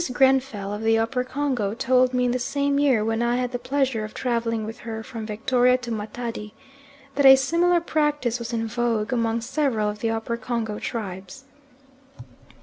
Grenfell, of the Upper Congo, told me in the same year, when I had the pleasure of travelling with her from Victoria to Matadi, that a similar practice was in vogue among several of the Upper Congo tribes.